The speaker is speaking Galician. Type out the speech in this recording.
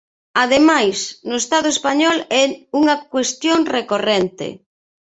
Ademais, no Estado español é unha cuestión recorrente.